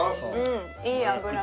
いい脂が。